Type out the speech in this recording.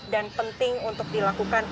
dan penting untuk dilakukan